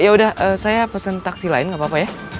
yaudah saya pesen taksi lain gapapa ya